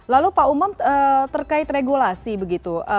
lalu pak umam terkait regulasi begitu